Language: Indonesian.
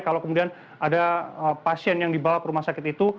kalau kemudian ada pasien yang dibawa ke rumah sakit itu